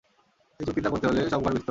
এই চুক্তিটা করতে হলে সব ঘর বেঁচতে হবে।